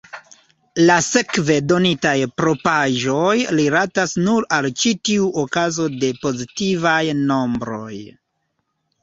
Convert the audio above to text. La sekve donitaj propraĵoj rilatas nur al ĉi tiu okazo de pozitivaj nombroj.